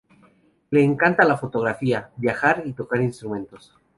Le encanta la fotografía, viajar y tocar instrumentos.